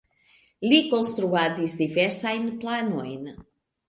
Li konstruadis diversajn planojn.